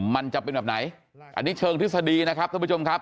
มันจะเป็นแบบไหนอันนี้เชิงทฤษฎีนะครับท่านผู้ชมครับ